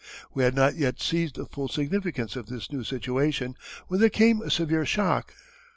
We had not yet seized the full significance of this new situation when there came a severe shock.